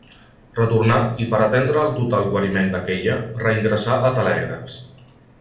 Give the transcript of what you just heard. Retornà, i per atendre al total guariment d'aquella, reingressà a telègrafs.